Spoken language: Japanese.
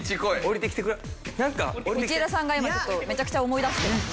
道枝さんが今ちょっとめちゃくちゃ思い出してますね。